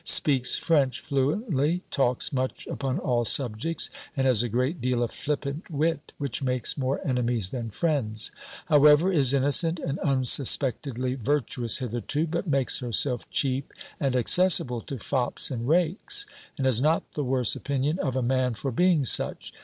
Speaks French fluently, talks much upon all subjects; and has a great deal of flippant wit, which makes more enemies than friends. However, is innocent, and unsuspectedly virtuous hitherto; but makes herself cheap and accessible to fops and rakes, and has not the worse opinion of a man for being such.